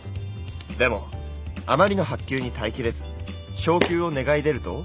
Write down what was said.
でもあまりの薄給に耐えきれず昇給を願い出ると。